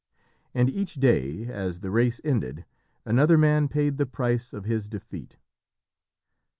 And each day, as the race ended, another man paid the price of his defeat.